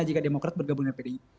jika demokrat bergabung dengan pdip